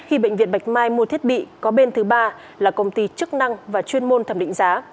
khi bệnh viện bạch mai mua thiết bị có bên thứ ba là công ty chức năng và chuyên môn thẩm định giá